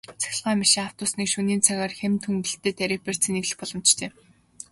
Цахилгаан машин, автобусыг шөнийн цагаар хямд хөнгөлөлттэй тарифаар цэнэглэх боломжтой.